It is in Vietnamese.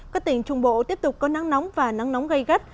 các tỉnh trung bộ tiếp tục có nắng nóng và nắng nóng gây gắt